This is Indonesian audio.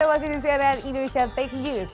terima kasih di cnn indonesia tech news